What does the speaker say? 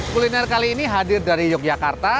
kuliner kali ini hadir dari yogyakarta